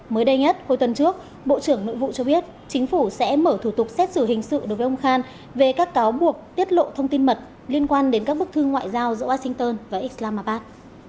mới đây nhất hồi tuần trước bộ trưởng nội vụ cho biết chính phủ sẽ mở thủ tục xét xử hình sự đối với ông khan về các cáo buộc tiết lộ thông tin mật liên quan đến các bức thư ngoại giao giữa washington và islamabad